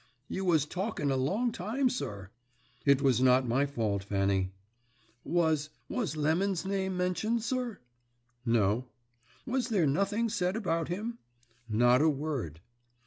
"You was talking a long time, sir." "It was not my fault, Fanny." "Was was Lemon's name mentioned, sir?" "No." "Was there nothing said about him?" "Not a word."